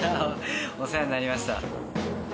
お世話になりました。